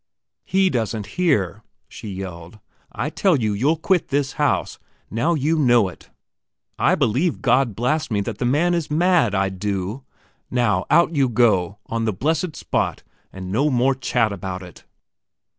"He doesn't hear," she yelled. "I tell you, you'll quit this house. Now you know it. I believe God blast me, that the man is mad, I do! Now, out you go, on the blessed spot, and so no more chat about it."